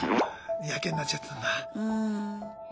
やけになっちゃったんだ。